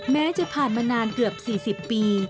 แม้จะผ่านมานานเกือบ๔๐ปี